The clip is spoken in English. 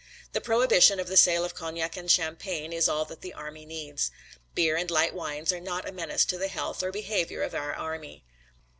The prohibition of the sale of cognac and champagne is all that the army needs. Beer and light wines are not a menace to the health or behavior of our army.